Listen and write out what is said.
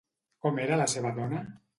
Com era la seva dona?